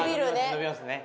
伸びますね。